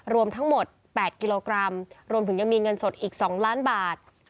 รวมทั้งหมด๘กิโลกรัมรวมถึงยังมีเงินสดอีก๒ล้านบาท